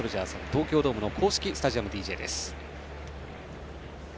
東京ドームの公式スタジアムＤＪです。